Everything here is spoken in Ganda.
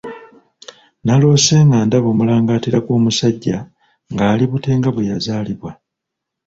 Naloose nga ndaba omulangaatira gw'omusajja ng'ali bute nga bwe yazaalibwa!